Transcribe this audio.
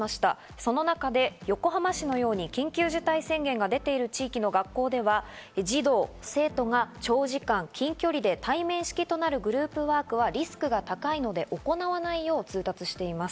その中で横浜市のように緊急事態宣言が出ている地域の学校では児童生徒が長時間、近距離で対面式となるグループワークはリスクが高いので行わないよう通達しています。